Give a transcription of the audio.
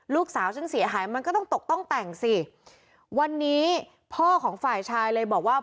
ลูกสาวฉันเสียหายมันก็ต้องตกต้องแต่งสิวันนี้พ่อของฝ่ายชายเลยบอกว่า